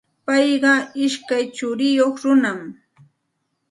Payqa ishkay churiyuq runam.